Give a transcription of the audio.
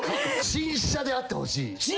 新車であってほしい。